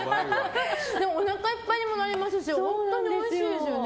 おなかいっぱいにもなりますし本当においしいですよね。